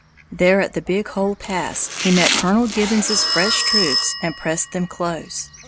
There at the Big Hole Pass he met Colonel Gibbons' fresh troops and pressed them close.